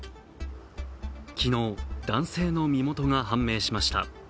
昨日、男性の身元が判明しました。